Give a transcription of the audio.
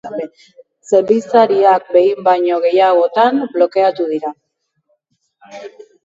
Zerbitzariak behin baino gehiagotan blokeatu dira.